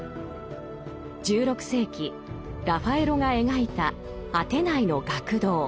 １６世紀ラファエロが描いた「アテナイの学堂」。